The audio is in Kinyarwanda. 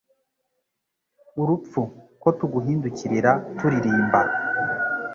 Urupfu, Ko tuguhindukirira, turirimba